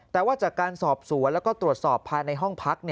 แต่ว่าจากการสอบสวนแล้วก็ตรวจสอบภายในห้องพัก